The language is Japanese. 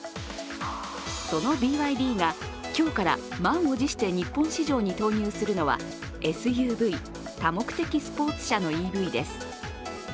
そのＢＹＤが強から満を持して日本市場に投入するのはＳＵＶ＝多目的スポーツ車のＥＶです。